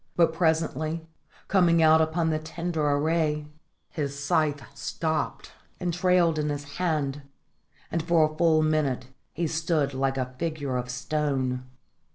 But presently, coming out upon the tender array, his scythe stopped and trailed in his hand, and for a full minute he stood like a figure of stone.